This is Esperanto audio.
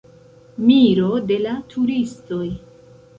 Miro de la turistoj.